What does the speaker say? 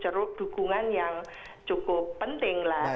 ceruk dukungan yang cukup penting lah